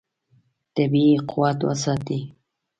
طبیعي قوت وساتئ.